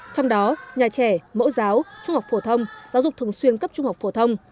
trong đó nhà trẻ mẫu giáo trung học phổ thông giáo dục thường xuyên cấp trung học phổ thông